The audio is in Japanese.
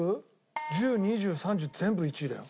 １０２０３０全部１位だよ。